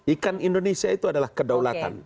ikan indonesia itu adalah kedaulatan